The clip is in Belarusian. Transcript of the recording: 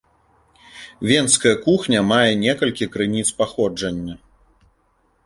Венская кухня мае некалькі крыніц паходжання.